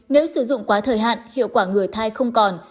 nếu sử dụng quá thời hạn hiệu quả người thai không còn